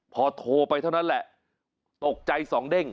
พอโทรไปเท่านั้นแหละตกใจสองเด้ง